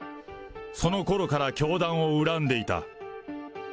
そのころから教団を恨んでいた。